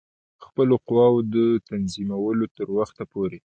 خپلو قواوو د تنظیمولو تر وخته پوري.